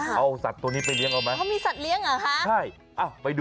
เอาสัตว์ตัวนี้ไปเลี้ยงเอาไหม